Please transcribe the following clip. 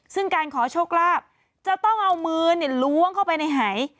ซึ่งการขอโชคลาภจะต้องเอามือล้วงเข้าไปในหาย